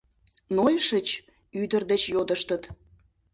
— Нойышыч? — ӱдыр деч йодыштыт.